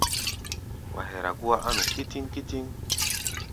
Wa hɛra gúá á nu kítíŋ-kítíŋ.